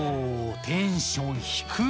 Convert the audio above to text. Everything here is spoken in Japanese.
テンション低っ！